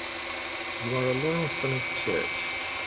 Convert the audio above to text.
You are a loyal son of the Church.